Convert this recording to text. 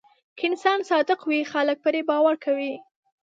که انسان صادق وي، خلک پرې باور کوي.